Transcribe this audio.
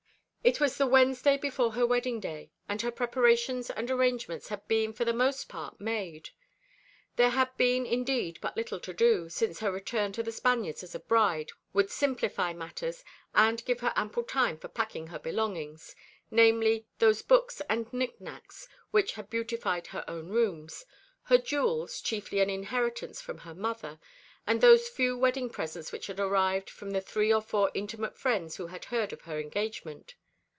It was the Wednesday before her wedding day, and her preparations and arrangements had been for the most part made. There had been, indeed, but little to do, since her return to The Spaniards as a bride would simplify matters, and give her ample time for packing her belongings namely, those books and nicknacks which had beautified her own rooms; her jewels, chiefly an inheritance from her mother; and those few wedding presents which had arrived from the three or four intimate friends who had heard of her engagement.